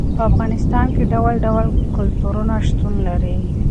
په افغانستان کې ډول ډول کلتورونه شتون لري.